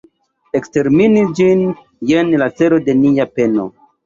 Ekstermi ĝin, jen la celo de nia peno.